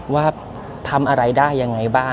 ว่าทำอะไรได้ยังไงบ้าง